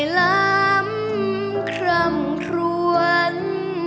ทำคำควร